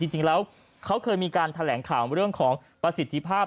จริงแล้วเขาเคยมีการแถลงข่าวเรื่องของประสิทธิภาพ